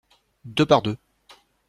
Deux par deux.